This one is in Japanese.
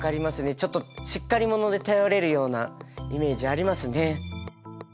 ちょっとしっかり者で頼れるようなイメージありますね。